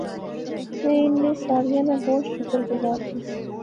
میں انیں ساریاں نا بہوں شکر گزار دیس